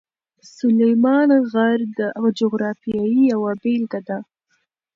سلیمان غر د جغرافیې یوه بېلګه ده.